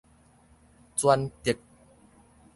轉軸